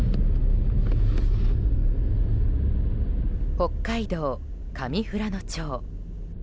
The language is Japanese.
北海道上富良野町。